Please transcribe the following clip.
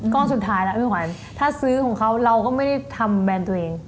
สุดท้ายแล้วพี่ขวัญถ้าซื้อของเขาเราก็ไม่ได้ทำแบรนด์ตัวเอง